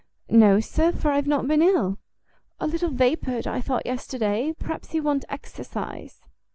"No, sir, for I have not been ill." "A little vapoured, I thought, yesterday; perhaps you want exercise."